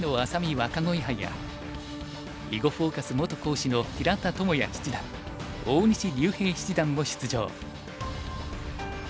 若鯉杯や「囲碁フォーカス」元講師の平田智也七段大西竜平七段も出場。